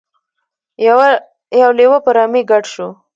یو لیوه په رمې ګډ شو.